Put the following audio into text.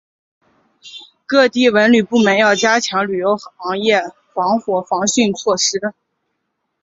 各地文旅部门要强化旅游行业防火防汛措施